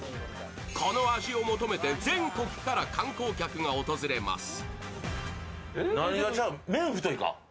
この味を求めて全国から観光客が訪れます。